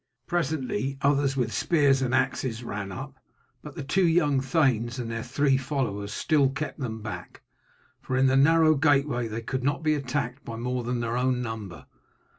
Presently, others with spears and axes ran up, but the two young thanes and their three followers still kept them back, for in the narrow gateway they could not be attacked by more than their own number.